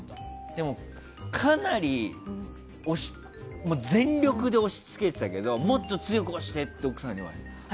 でも、かなり全力で押し付けてたけどもっと強く押して！って奥さんに言われた。